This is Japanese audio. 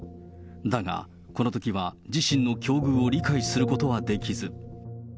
だが、このときは自身の境遇を理解することはできず。